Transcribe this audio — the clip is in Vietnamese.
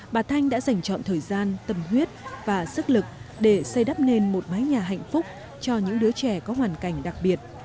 bà thanh đã dành chọn thời gian tâm huyết và sức lực để xây đắp nên một mái nhà hạnh phúc cho những đứa trẻ có hoàn cảnh đặc biệt